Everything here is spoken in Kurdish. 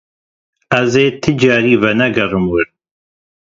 Ez ê ti carî venegerim wir.